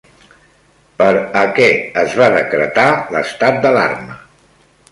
Per a què es va decretar l'estat d'alarma?